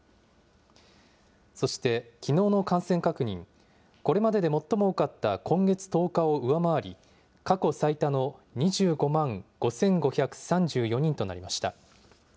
そしてきのうの感染確認、これまでで最も多かった今月１０日を上回り、過去最多の２５万５５３４人となりました。